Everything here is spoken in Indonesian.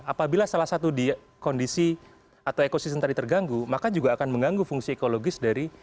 apabila salah satu di kondisi atau ekosistem tadi terganggu maka juga akan mengganggu fungsi ekologis dari